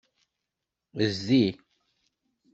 Zdi.